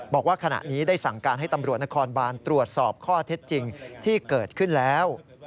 บอกว่าขณะนี้ได้สั่งการให้ตำรวจนครบานตรวจสอบข้อเท็จจริงที่เกิดขึ้นแล้ว